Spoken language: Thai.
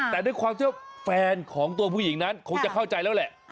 แต่ด้วยความที่ว่าแฟนของตัวผู้หญิงนั้นคงจะเข้าใจแล้วแหละ